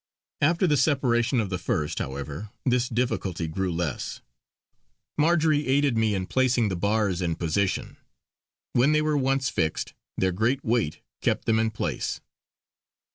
After the separation of the first, however, this difficulty grew less. Marjory aided me in placing the bars in position; when they were once fixed their great weight kept them in place.